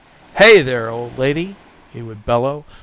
"HAY, there, old lady!" he would bellow.